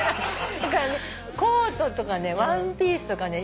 コートとかねワンピースとかね